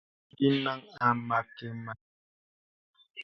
Byɔm bîvolī benəŋ a məkàməlì.